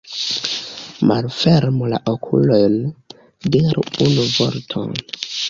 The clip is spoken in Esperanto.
Malfermu la okulojn, diru unu vorton!